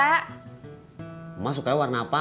kayaknya emang gak bakal suka deh bang warna merah batu bata